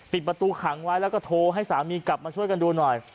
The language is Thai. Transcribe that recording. ประตูขังไว้แล้วก็โทรให้สามีกลับมาช่วยกันดูหน่อย